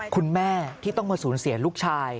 คุณแม่ที่ต้องมาสูญเสียลูกชาย